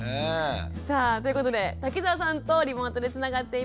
さあということで瀧澤さんとリモートでつながっています。